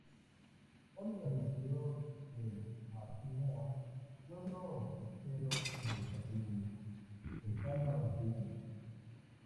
Oliver nació en Masnou, pueblo costero de Cataluña cercano a Barcelona.